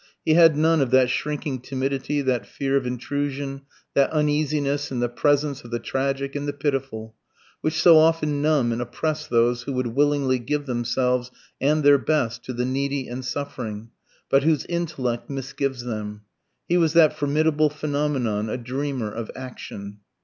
He had none of that shrinking timidity, that fear of intrusion, that uneasiness in the presence of the tragic and the pitiful, which so often numb and oppress those who would willingly give themselves and their best to the needy and suffering, but whose intellect misgives them. He was that formidable phenomenon, a dreamer of action.